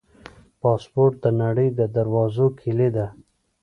پاسپورټ د نړۍ د دروازو کلي ده.